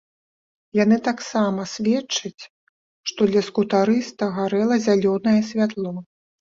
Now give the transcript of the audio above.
Яны таксама сведчаць, што для скутарыста гарэла зялёнае святло.